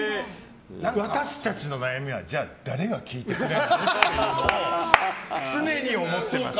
私たちの悩みは誰が聞いてくれるのって常に思ってます。